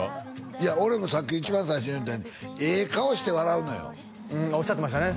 いや俺もさっき一番最初に言うたようにええ顔して笑うのよおっしゃってましたね